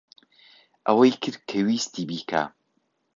ئەوەی کرد کە ویستی بیکات.